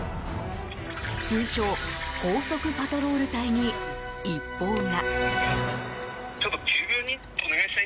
通称、高速パトロール隊に一報が。